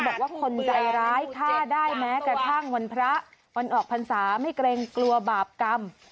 บอกว่าคนใจร้ายฆ่าได้แม้กระทั่งวันพระวันออกพรรษาไม่เกรงกลัวบาปกรรม